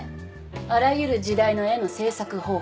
あらゆる時代の絵の制作方法